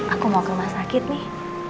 aku mau ke rumah sakit nih